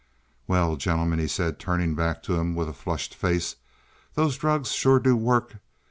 "Well, gentlemen," he said, turning back to them with flushed face, "those drugs sure do work.